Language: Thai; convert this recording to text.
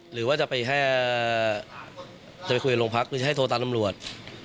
หรือว่าจะไปให้จะไปคุยโรงพักหรือจะให้โทรตามตำรวจ